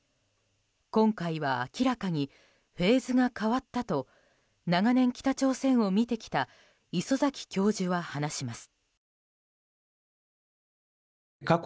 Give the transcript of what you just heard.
今回は明らかにフェーズが変わったと長年、北朝鮮を見てきた礒崎教授は話します。